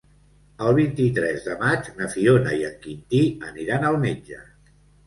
El vint-i-tres de maig na Fiona i en Quintí aniran al metge.